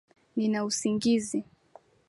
Nina usingizi